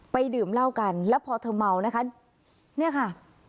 ดื่มเหล้ากันแล้วพอเธอเมานะคะเนี่ยค่ะ